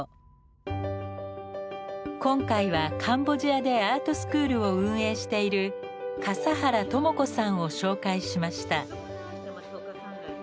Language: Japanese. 今回はカンボジアでアートスクールを運営している笠原知子さんを紹介しました。